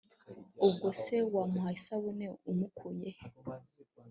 ubwo se wamuha isabune umukuye he